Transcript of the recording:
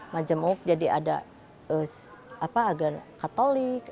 majemuk jadi ada katolik